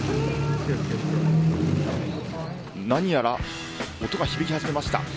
何やら、音が響き始めました。